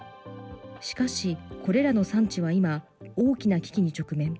しかし、これらの産地は今、大きな危機に直面。